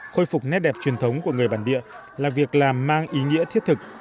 khôi phục nét đẹp truyền thống của người bản địa là việc làm mang ý nghĩa thiết thực